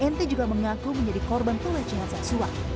nt juga mengaku menjadi korban pelecehan seksual